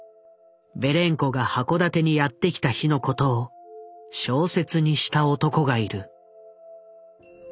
ベレンコが函館にやって来た日のことを小説にした男がいる。